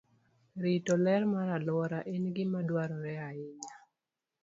Rito ler mar alwora en gima dwarore ahinya.